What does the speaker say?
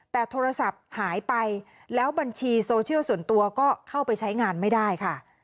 แต่โทรศัพท์หายไปแล้วบัญชีโซเชียลส่วนตัวก็เข้าไปใช้งานไม่ได้ค่ะ